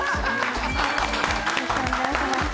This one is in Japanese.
よろしくお願いします。